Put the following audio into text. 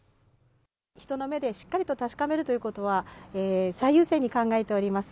人の目でしっかりと確かめるということは、最優先に考えております。